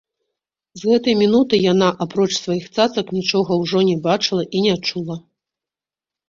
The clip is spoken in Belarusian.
З гэтай мінуты яна, апроч сваіх цацак, нічога ўжо не бачыла і не чула.